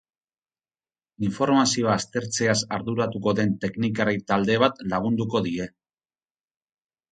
Informazioa aztertzeaz arduratuko den teknikari talde bat lagunduko die.